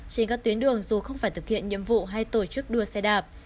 trên các tuyến đường dù không phải thực hiện nhiệm vụ hay tổ chức đua xe đạp